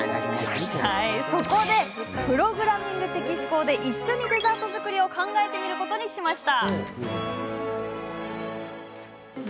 そこで、プログラミング的思考で一緒にデザート作りを考えてみることにしました。